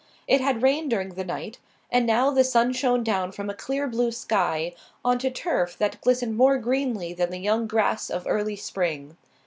It had rained during the night, and now the sun shone down from a clear blue sky on to turf that glistened more greenly than the young grass of early spring.